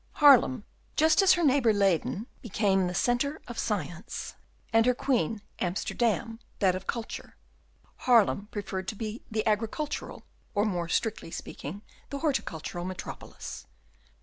Haarlem, just as her neighbour, Leyden, became the centre of science, and her queen, Amsterdam, that of commerce, Haarlem preferred to be the agricultural, or, more strictly speaking, the horticultural metropolis.